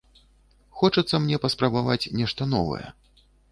Хочацца мне паспрабаваць нешта новае.